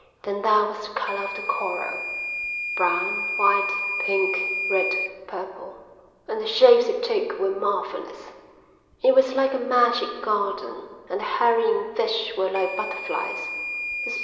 Then there was the colour of the coral, brown, white, pink, red, purple; and the shapes it took were marvellous. It was like a magic garden, and the hurrying fish were like butterflies.